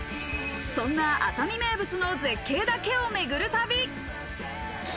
そんな熱海名物の絶景だけを巡る旅。